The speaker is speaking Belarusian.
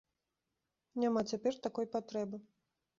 Няма цяпер такой патрэбы.